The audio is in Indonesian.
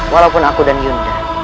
walaupun aku dan yunda